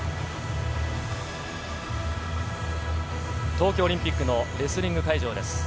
東京オリンピックのレスリング会場ですす。